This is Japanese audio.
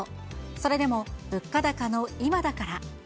それでも物価高の今だから。